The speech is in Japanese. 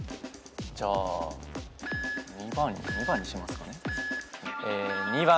じゃあ２番にしますかね。